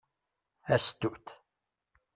A sstut!